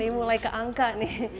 mulai ke angka nih